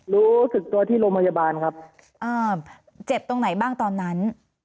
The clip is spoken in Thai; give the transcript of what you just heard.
รู้สึกตัวที่โรงพยาบาลครับอ่าเจ็บตรงไหนบ้างตอนนั้น